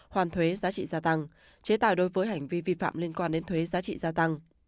hoàn thuế giá trị gia tăng chế tài đối với hành vi vi phạm liên quan đến thuế giá trị gia tăng